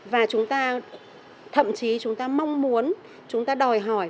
và chúng ta thậm chí chúng ta mong muốn chúng ta đòi hỏi